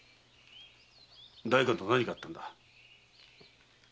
代官と何があったんだ？